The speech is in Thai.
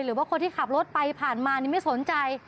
หรือว่าคนที่ขับรถไปผ่านมานี่ไม่สนใจ